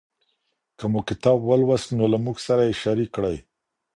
که مو کتاب ولوست نو له موږ سره یې شریک کړئ.